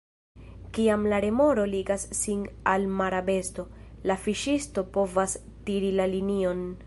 Kiam la remoro ligas sin al mara besto, la fiŝisto povas tiri la linion.